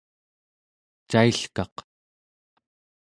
cailkaq